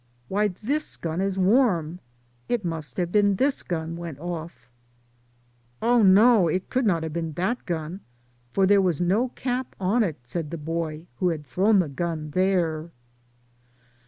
"Why, this gun is warm. It must have been this gun went off." "Oh, no; it could not have been that gun, for there was no cap on it," said the boy who had thrown the gun there.